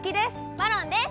マロンです！